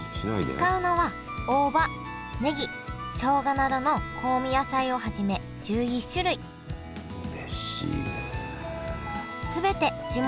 使うのは大葉ねぎしょうがなどの香味野菜をはじめ１１種類うれしいね。